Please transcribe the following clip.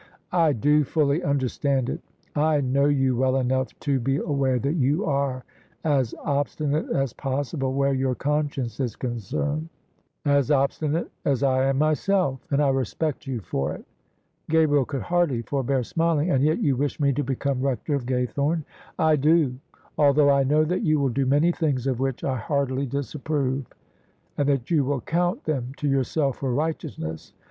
" I do fully understand it. I know you well enough to be aware that you are as obstinate as possible wher« your conscience is concerned: as obstinate as I am myself: and I respect you for it." OF ISABEL CARNABY Gabriel could hardly forbear smfling. "And yet you wish me to become Rector of Gaythome? "" I do, althou^ I know that you will do many things of which I heartily disapprove, and that you will count them to yourself for righteousness.